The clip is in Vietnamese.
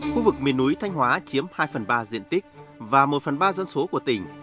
khu vực miền núi thanh hóa chiếm hai phần ba diện tích và một phần ba dân số của tỉnh